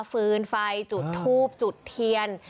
ฟืนไฟจุดทูบจุดเทียน